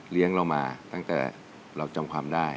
เรามาตั้งแต่เราจำความได้